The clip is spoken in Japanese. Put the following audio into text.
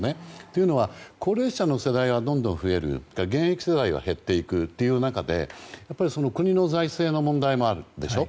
というのは高齢者の世代はどんどん増える現役世代は減っていくという中で国の財政の問題もあるでしょ。